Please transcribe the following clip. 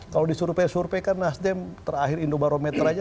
kalau disurupin surupin kan nasdem terakhir indobarometer aja